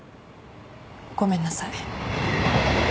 ごめんなさい。